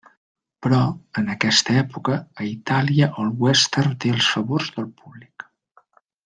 Però, en aquesta època, a Itàlia, el western té els favors del públic.